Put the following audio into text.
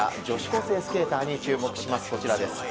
女子高生スケーターに注目します。